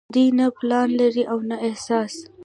دوي نۀ پلان لري او نه احساس